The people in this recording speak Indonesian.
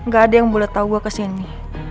gak ada yang boleh tahu gue kesini